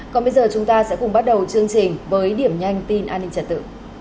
còn bây giờ chúng ta sẽ cùng bắt đầu chương trình với điểm nhanh tin an ninh trật tự